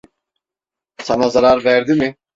Sana zarar verdi mi?